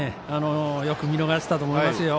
よく見逃したと思います。